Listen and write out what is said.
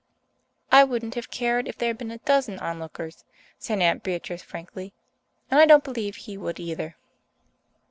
"I wouldn't have cared if there had been a dozen onlookers," said Aunt Beatrice frankly, "and I don't believe he would either."